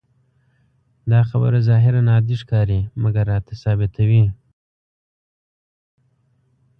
دا خبره ظاهراً عادي ښکاري، مګر راته ثابتوي.